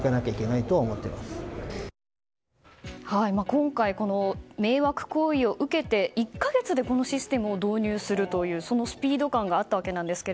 今回、迷惑行為を受けて１か月でこのシステムを導入するというスピード感があったわけなんですが。